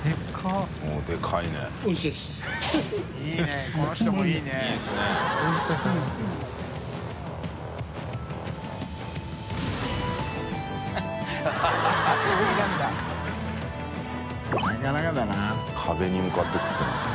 覆覆世福壁に向かって食ってますね。